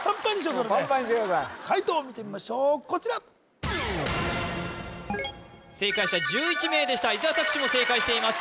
それでもうパンパンにしてください解答を見てみましょうこちら正解者１１名でした伊沢拓司も正解しています